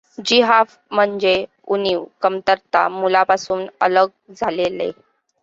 ज़िहाफ म्हणजे उणीव, कमतरता, मुळापासून अलग झालेले.